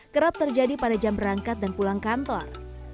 kerap terjadi pada jam berangkat dan pulang kantor